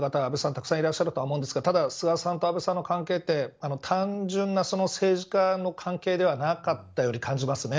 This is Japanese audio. たくさんいらっしゃると思いますが菅さんと安倍さんの関係って単純な政治家の関係ではなかったように感じますね。